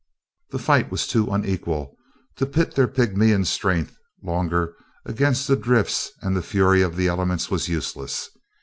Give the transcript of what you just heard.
The fight was too unequal; to pit their pygmean strength longer against the drifts and the fury of the elements was useless.